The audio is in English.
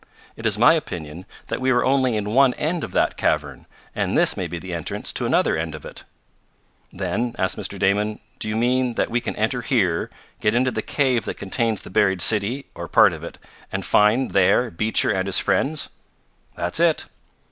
It is my opinion that we were only in one end of that cavern, and this may be the entrance to another end of it." "Then," asked Mr. Damon, "do you mean that we can enter here, get into the cave that contains the buried city, or part of it, and find there Beecher and his friends?" "That's it.